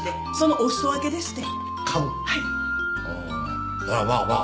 まあまあまあ。